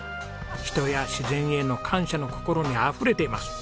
人や自然への感謝の心にあふれています。